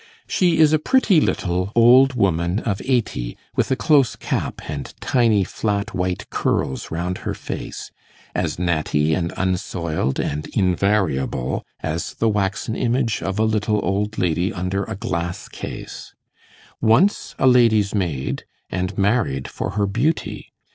She is a pretty little old woman of eighty, with a close cap and tiny flat white curls round her face, as natty and unsoiled and invariable as the waxen image of a little old lady under a glass case; once a lady's maid, and married for her beauty.